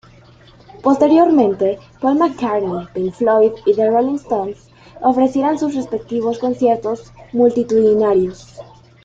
Posteriormente Paul McCartney, Pink Floyd y The Rolling Stones ofrecieran sus respectivos conciertos multitudinarios.